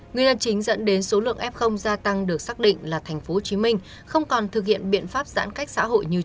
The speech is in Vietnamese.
nguyên nhân chính dẫn đến số lượng f gia tăng được xác định là tp hcm không còn thực hiện biện pháp giãn cách xã hội như trước